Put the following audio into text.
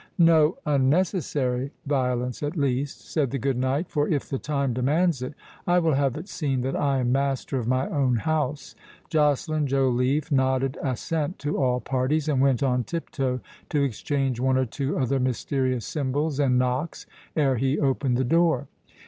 "No unnecessary violence at least," said the good knight; "for if the time demands it, I will have it seen that I am master of my own house." Joceline Joliffe nodded assent to all parties, and went on tiptoe to exchange one or two other mysterious symbols and knocks, ere he opened the door.